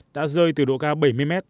đã rơi từ độ cao bảy mươi m